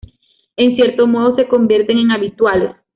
En cierto modo, se convierten en habituales.